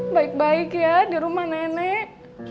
baik baik ya di rumah nenek